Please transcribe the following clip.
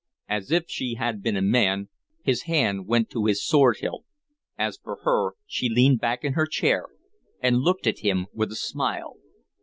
As if she had been a man, his hand went to his sword hilt. As for her, she leaned back in her chair and looked at him with a smile.